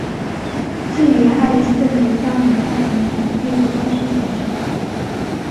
至元二十四年将宁夏行省并入甘肃行省。